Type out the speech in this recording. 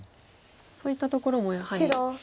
そういったところもやはり。